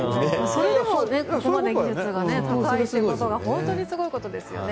それでも技術が高いということが本当にすごいことですよね。